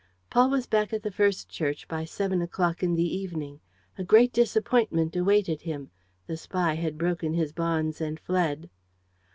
Paul was back at the first church by seven o'clock in the evening. A great disappointment awaited him. The spy had broken his bonds and fled.